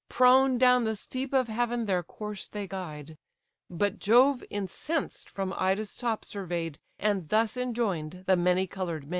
Prone down the steep of heaven their course they guide. But Jove, incensed, from Ida's top survey'd, And thus enjoin'd the many colour'd maid.